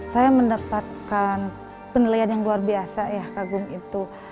saya mendapatkan penilaian yang luar biasa ya kagum itu